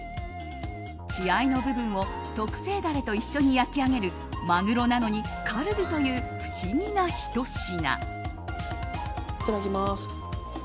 血合いの部分を特製ダレと一緒に焼き上げるマグロなのにカルビという不思議なひと品。